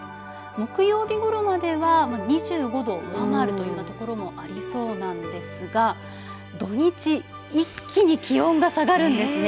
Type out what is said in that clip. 木曜日ごろまでは２５度を上回るというところもありそうなんですが土日一気に気温が下がるんですね。